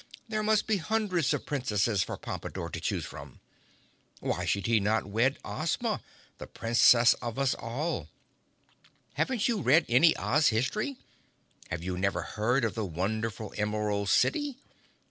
There must be hundreds of Princesses for Pompadore to choose from. Why should he not wed Ozma, the princess of us all? Haven't you read any Oz history? Have you never heard of the wonderful Emerald City?